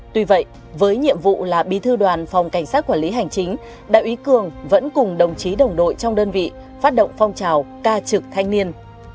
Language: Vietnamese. tuy vậy với nhiệm vụ là bí thư đoàn phòng cảnh sát quản lý hành chính đại úy cường vẫn cùng đồng chí đồng đội trong đơn vị phát động phong trào ca trực thanh niên